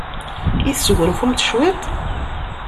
I tesgunfumt cwiṭ?